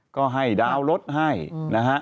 ก็ให้ดาวน์รถให้นะฮะ